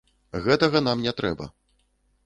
Гэтага нам не трэба.